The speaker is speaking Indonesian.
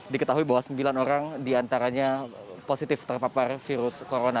dan setelah sembilan orang dinyatakan positif terpapar covid sembilan belas